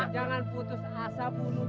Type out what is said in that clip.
jangan tinggalnya benga